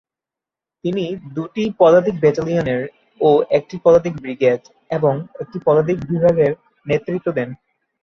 তিনি দুটি পদাতিক ব্যাটালিয়নের ও একটি পদাতিক ব্রিগেড এবং একটি পদাতিক বিভাগের নেতৃত্ব দেন।